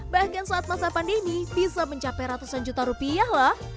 bahkan saat masa pandemi bisa mencapai ratusan juta rupiah loh